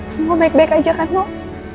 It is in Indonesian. semua baik baik aja kan mau